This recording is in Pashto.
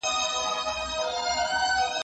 زه پرون موټر کاروم !